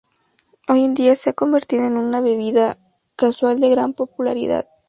Hoy en día se ha convertido en una bebida casual de gran popularidad.